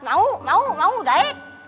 mau mau mau daik